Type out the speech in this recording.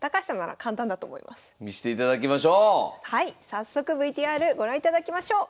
早速ＶＴＲご覧いただきましょう。